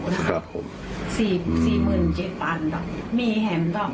๔๐๐๐บาทเท่านั้นมีแห่มครับ